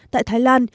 tại thái lan